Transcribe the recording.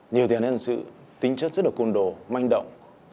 nhiều tiền là sự tính chất rất là công đồ manh động